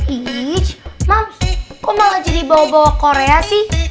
iish mams kok malah jadi bawa bawa korea sih